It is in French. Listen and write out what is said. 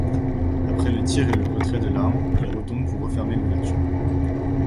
Après le tir et le retrait de l'arme, il retombe pour refermer l'ouverture.